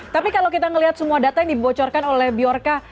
tapi kalau kita melihat semua data yang dibocorkan oleh bjorka